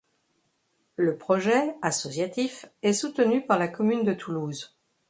Le projet, associatif, est soutenu par la commune de Toulouse.